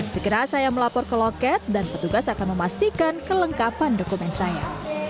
segera saya melapor ke loket dan petugas akan memastikan kelengkapan dokumen saya